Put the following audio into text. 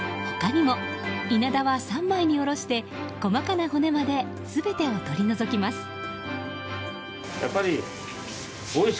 他にもイナダは３枚におろして細かな骨まで全てを取り除きます。